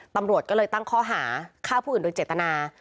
ตำรวจก็เลยตั้งข้อหาฆ่าผู้อื่นโดยเจตนา